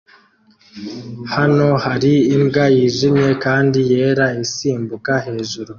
Hano hari imbwa yijimye kandi yera isimbuka hejuru